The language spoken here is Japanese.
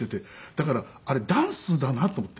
だからあれダンスだなと思って。